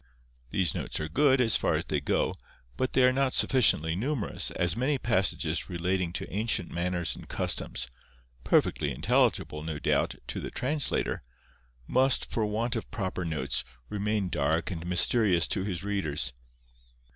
These notes are good, as far as they go, but they are not sufficiently numerous, as many passages relating to ancient manners and customs—perfectly intelligible, no doubt, to the translator—must, for want of proper notes, remain dark and mysterious to his readers.